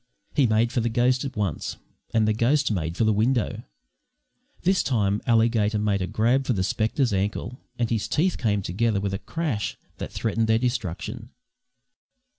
He made for the ghost at once, and the ghost made for the window. This time Alligator made a grab for the spectre's ankle, and his teeth came together with a crash that threatened their destruction.